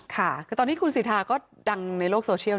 ค่ะคือตอนนี้คุณสิทธาก็ดังในโลกโซเชียล